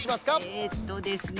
えっとですね